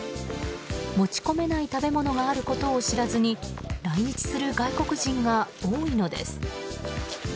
持ち込めない食べ物があることを知らずに来日する外国人が多いのです。